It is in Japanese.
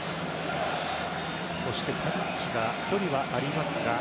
そしてタディッチが距離はありますが。